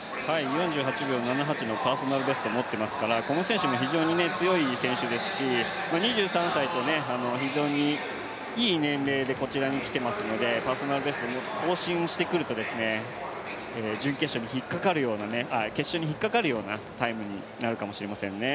４８秒７８のパーソナルベスト持ってますからこの選手も非常に強い選手ですので、２３歳と非常にいい年齢でこちらに来ていますのでパーソナルベスト更新してくると決勝に引っかかるようなタイムになるかもしれませんね。